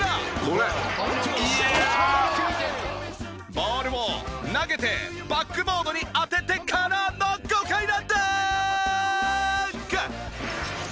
ボールを投げてバックボードに当ててからの豪快なダンク！